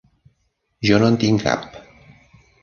I jo no en tinc cap.